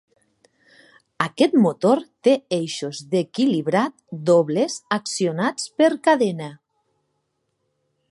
Aquest motor té eixos d'equilibrat dobles accionats per cadena.